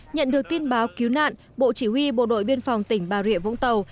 nhận được tin báo cứu nạn bộ chỉ huy bộ đội biên phòng tỉnh bà rịa vũng tàu